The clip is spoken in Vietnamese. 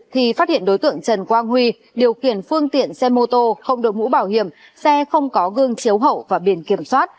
thì phát hiện đối tượng trần quang huy điều khiển phương tiện xe mô tô không đổi mũ bảo hiểm xe không có gương chiếu hậu và biển kiểm soát